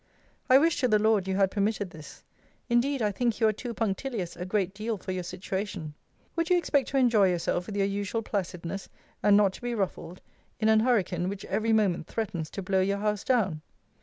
I wish to the Lord you had permitted this. Indeed I think you are too punctilious a great deal for you situation. Would you expect to enjoy yourself with your usual placidness, and not to be ruffled, in an hurricane which every moment threatens to blow your house down?